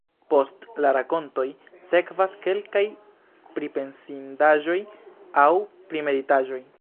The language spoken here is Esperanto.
Post la rakontoj sekvas kelkaj pripensindaĵoj aŭ primeditaĵoj.